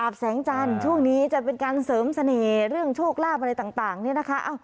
แสงจันทร์ช่วงนี้จะเป็นการเสริมเสน่ห์เรื่องโชคลาภอะไรต่างเนี่ยนะคะ